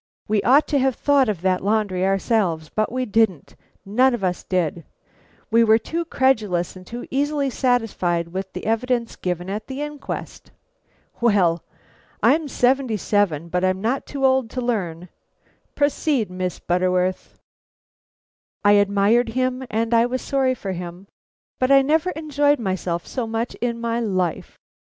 we ought to have thought of that laundry ourselves; but we didn't, none of us did; we were too credulous and too easily satisfied with the evidence given at the inquest. Well, I'm seventy seven, but I'm not too old to learn. Proceed, Miss Butterworth." I admired him and I was sorry for him, but I never enjoyed myself so much in my whole life.